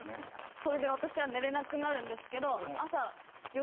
それで私は寝れなくなるんですけど。